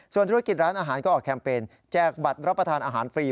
ส่วนธุรกิจร้านอาหารก็ออกแคมเปญแจกบัตรรับประทานอาหารฟรี